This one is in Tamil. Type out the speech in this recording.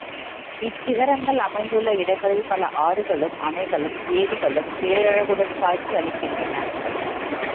இச்சிகரங்கள் அமைந்துள்ள இடங்களில் பல ஆறுகளும், அணைகளும், ஏரிகளும் பேரழகுடன் காட்சி அளிக்கின்றன.